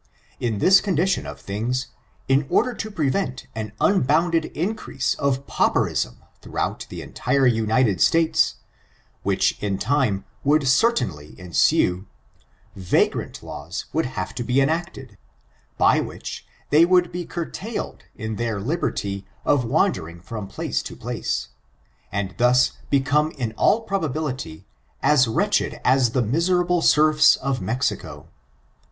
In this condition of things, in order to prevent an unbounded increase of pauperism throughout the entire United States, which in time would certainly ensue, " ragrant laws" would ^^^^^^^^ i FORTUNES, OF THE NBORO RACE. 419 have to be enacted, by which they would be curtail ed in their liberty of wandering from place to place, and thus become in all propability as wretched as the miserable serfs of Mexico.